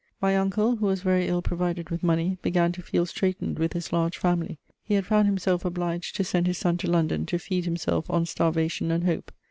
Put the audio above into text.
My uncle, who was very ill provided with money, began to feel straitened with his large family; he had found himself obliged to send his son to London to feed himself on starvation and hope.